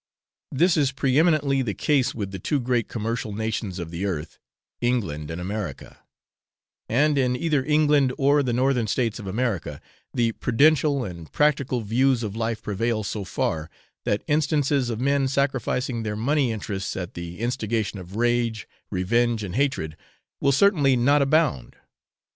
This is preeminently the case with the two great commercial nations of the earth, England and America; and in either England or the Northern States of America, the prudential and practical views of life prevail so far, that instances of men sacrificing their money interests at the instigation of rage, revenge, and hatred, will certainly not abound.